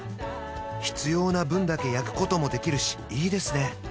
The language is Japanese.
必要な分だけ焼くこともできるしいいですね